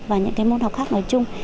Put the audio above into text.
và những cái môn học khác nói chung